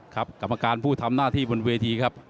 กรรมการผู้ทำหน้าที่บนเวทีครับ